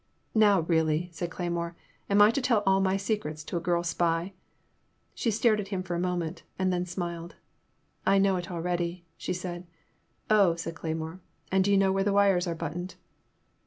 'Now, really,'* said Cle3nnore, am I to tell all my secrets to a girl spy ?She stared at him for a moment, and then smiled. I know it already," she said. Oh," said Cleymore, and do you know where the wires are buttoned